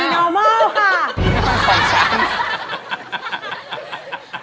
นี่เป็นสว่างชั้น